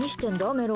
メロ。